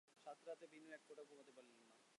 সারা রাত বিনু এক ফোঁটা ঘুমুতে পারল না।